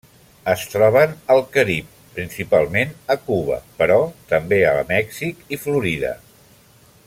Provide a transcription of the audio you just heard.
Es troben al Carib, principalment a Cuba, però també al Mèxic i Florida.